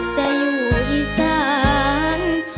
จะอยู่ที่สร้าง